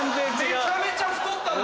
めちゃめちゃ太ったな！